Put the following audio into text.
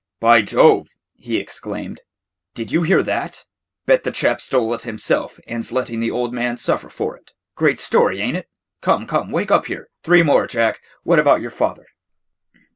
"By Jove!" he exclaimed, "did you hear that? Bet the chap stole it himself and 's letting the old man suffer for it. Great story, ain't it? Come, come, wake up here. Three more, Jack. What about your father?"